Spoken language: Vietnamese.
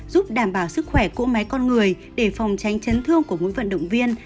giúp đảm bảo sức khỏe của mấy con người để phòng tránh chấn thương của mỗi vận động viên